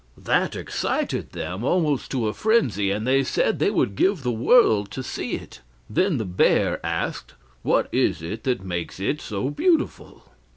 That excited them almost to a frenzy, and they said they would give the world to see it. Then the bear asked: "What is it that makes it so beautiful?"